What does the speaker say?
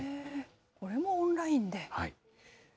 これもオンラインで。